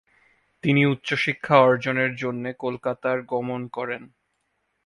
তিনি উচ্চশিক্ষা অর্জনের জন্যে কলকাতার গমন করেন।